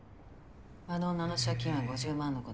あの女の借金は５０万残ってる。